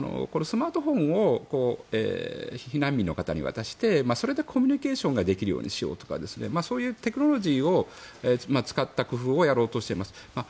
スマートフォンを避難民の方に渡してそれでコミュニケーションができるようにしようとかそういうテクノロジーを使った工夫をやろうとしています。